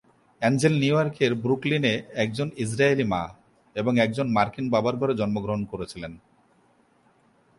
Angel New ইয়র্কের ব্রুকলিনে একজন ইসরায়েলি মা এবং একজন মার্কিন বাবার ঘরে জন্মগ্রহণ করেছিলেন।